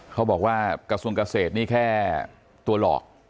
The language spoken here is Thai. เขาบอกว่ากระทรวงเกษตรนี่แค่ตัวหลอก